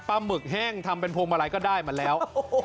หมึกแห้งทำเป็นพวงมาลัยก็ได้มาแล้ว